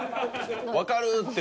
「わかる！」って